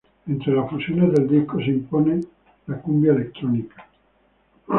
Entre las fusiones del disco, se impone la cumbia electrónica.